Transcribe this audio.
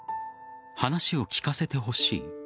話を聞かせてほしい。